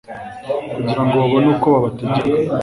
kugira ngo babone uko babategeka